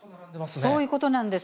そういうことなんです。